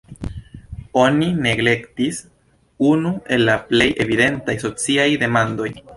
Oni neglektis unu el la plej evidentaj sociaj demandoj.